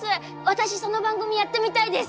私その番組やってみたいです！